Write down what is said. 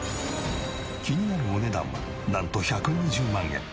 気になるお値段はなんと１２０万円。